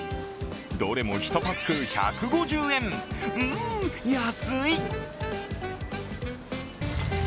どれも１パック１５０円、うーん、安い！